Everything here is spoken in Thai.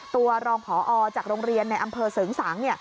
ตัวรองพอจากโรงเรียนในอำเภอเสริงสัง